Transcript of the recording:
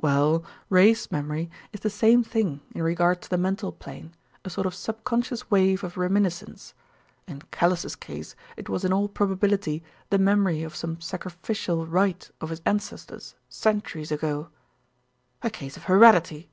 "Well, race memory is the same thing in regard to the mental plane, a sort of subconscious wave of reminiscence. In Callice's case it was in all probability the memory of some sacrificial rite of his ancestors centuries ago." "A case of heredity."